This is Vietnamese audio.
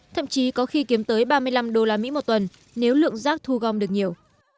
thậm chí có khi kiếm tới ba mươi năm đô la mỹ một tuần nếu lượng rác thu gom được nhiều